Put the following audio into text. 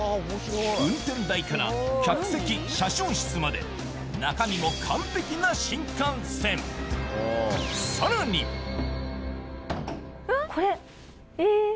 運転台から客席車掌室まで中身も完璧な新幹線これえっ。